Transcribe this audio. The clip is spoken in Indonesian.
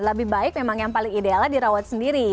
lebih baik memang yang paling idealnya dirawat sendiri